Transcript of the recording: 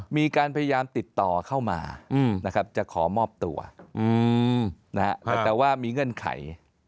มีการพยายามติดต่อเข้ามานะครับจะขอมอบตัวแต่ว่ามีเงื่อนไข